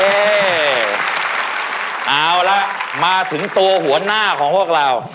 เอาละมาถึงตัวหัวหน้าของพวกเรา